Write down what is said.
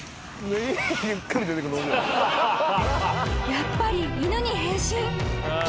［やっぱり犬に変身］